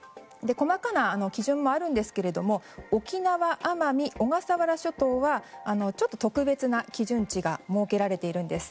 細かな基準もあるんですけれども沖縄、奄美小笠原諸島は特別な基準値が設けられているんです。